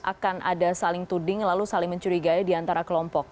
akan ada saling tuding lalu saling mencurigai diantara kelompok